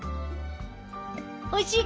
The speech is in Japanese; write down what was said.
おいしい？